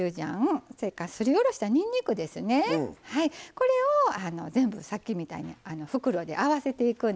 これを全部さっきみたいに袋で合わせていくんです。